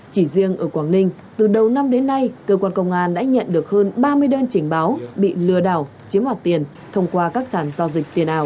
chỉ riêng ở quảng ninh từ đầu năm đến nay cơ quan công an đã nhận được hơn ba mươi đơn trình báo bị lừa đảo chiếm hoạt tiền thông qua các sản giao dịch tiền ảo